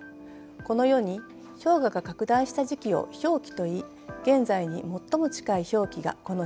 このように氷河が拡大した時期を氷期といい現在に最も近い氷期がこの２万年前になります。